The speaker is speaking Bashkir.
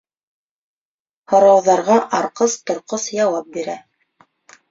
Һорауҙарға арҡыс-торҡос яуап бирә.